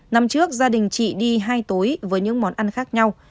năm trước gia đình chị đi hai túi với những món ăn khác nhau